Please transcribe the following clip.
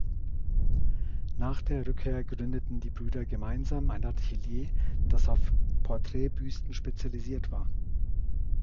Nach der Rückkehr gründeten die Brüder gemeinsam ein Atelier, das auf Porträtbüsten spezialisiert war.